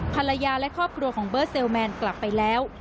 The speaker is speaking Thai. ภรรยาและครอบครัวของเบอร์เซลแมนกลับไปแล้ว